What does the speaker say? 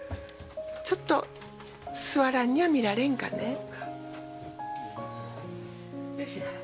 ちょっと座らんにゃ見られんかね。